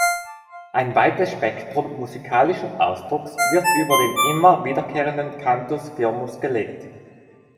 Ein weites Spektrum musikalischen Ausdrucks wird über den immer wiederkehrenden Cantus firmus gelegt.